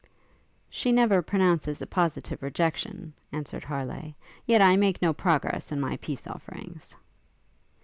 'She never pronounces a positive rejection,' answered Harleigh, 'yet I make no progress in my peace offerings.'